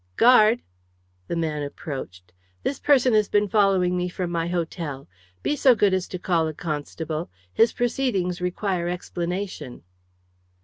"Guard!" The man approached. "This person has been following me from my hotel. Be so good as to call a constable. His proceedings require explanation."